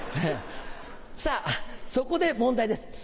さぁそこで問題です。